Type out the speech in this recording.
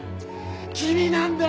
君なんだよ！